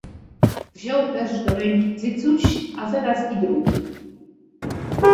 Wziął też do ręki cycuś, a zaraz i drugi